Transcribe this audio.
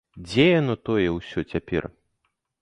Дзе яно тое ўсё цяпер?